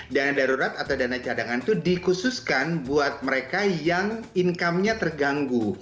dana darurat atau dana cadangan itu dikhususkan buat mereka yang income nya terganggu